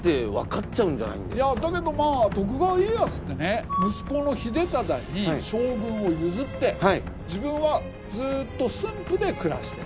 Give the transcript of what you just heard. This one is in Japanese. だけど徳川家康ってね息子の秀忠に将軍を譲って自分はずっと駿府で暮らしてる。